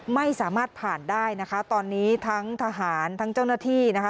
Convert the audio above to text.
ไม่สามารถผ่านได้นะคะตอนนี้ทั้งทหารทั้งเจ้าหน้าที่นะคะ